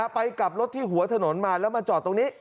ไปกลับรถที่หัวถนนมาแล้วมาจอดตรงนี้